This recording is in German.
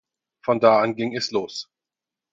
Von da an ging es los.